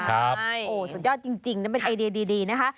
สุดยอดจริงนั่นเป็นไอเดียดีนะคะ